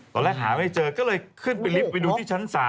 ตอนแรกหาไม่เจอก็เลยขึ้นไปลิฟต์ไปดูที่ชั้น๓